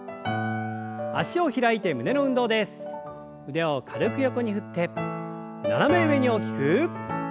腕を軽く横に振って斜め上に大きく。